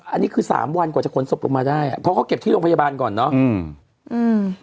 อันนี้คือ๓วันกว่าจะขนศพลงมาได้เพราะเขาเก็บที่โรงพยาบาลก่อนเนาะ